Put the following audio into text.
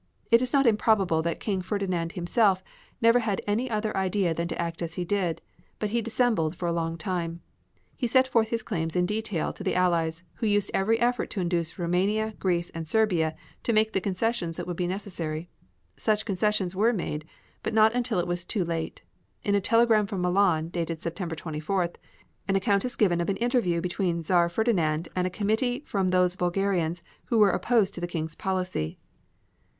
It is not improbable that King Ferdinand himself never had any other idea than to act as he did, but he dissembled for a long time. He set forth his claims in detail to the Allies, who used every effort to induce Roumania, Greece and Serbia to make the concessions that would be necessary. Such concessions were made, but not until it was too late. In a telegram from Milan dated September 24th, an account is given of an interview between Czar Ferdinand and a committee from those Bulgarians who were opposed to the King's policy.